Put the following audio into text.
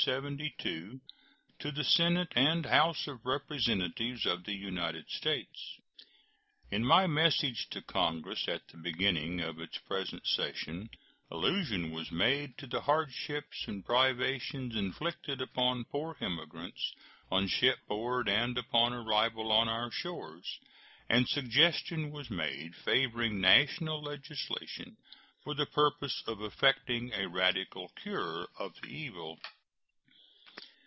To the Senate and House of Representatives of the United States: In my message to Congress at the beginning of its present session allusion was made to the hardships and privations inflicted upon poor immigrants on shipboard and upon arrival on our shores, and a suggestion was made favoring national legislation for the purpose of effecting a radical cure of the evil.